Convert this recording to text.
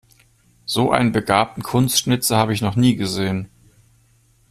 So einen begabten Kunstschnitzer habe ich noch nie gesehen.